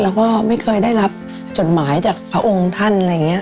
เราก็ไม่เคยได้รับจดหมายจากพระองค์ท่าน